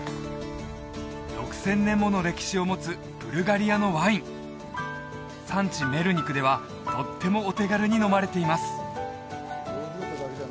６０００年もの歴史を持つブルガリアのワイン産地メルニクではとってもお手軽に飲まれています